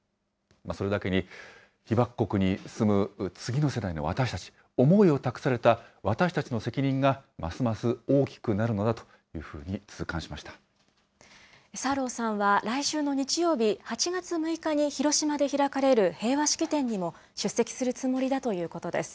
それだけに、被爆国に住む次の世代の私たち、思いを託された私たちの責任がますます大きくなるのだというふうサーローさんは、来週の日曜日、８月６日に広島で開かれる平和式典にも出席するつもりだということです。